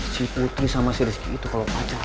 si putri sama si rizky itu kalau pacar